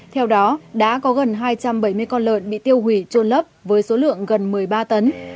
theo đó đã có gần hai trăm bảy mươi con lợn bị tiêu hủy trôn lấp với số lượng gần một mươi ba tấn